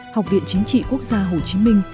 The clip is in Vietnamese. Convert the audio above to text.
học viện chính trị quốc gia hồ chí minh